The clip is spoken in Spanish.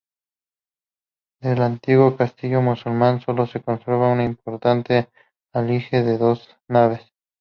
Del antiguo castillo musulmán sólo se conserva un importante aljibe de dos naves.